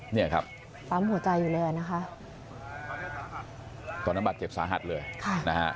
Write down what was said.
เนี่ยครับตอนนั้นบาดเจ็บสาหัสเลยนะครับ